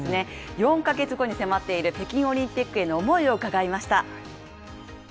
４ヶ月後に迫っている北京オリンピックへの思いを伺いました。